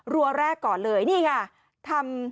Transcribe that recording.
รัวแรกก่อนเลยนี่ค่ะ